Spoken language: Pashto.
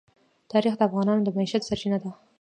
تاریخ د افغانانو د معیشت سرچینه ده.